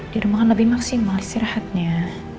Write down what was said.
di rumah kan lebih maksimal istirahatnya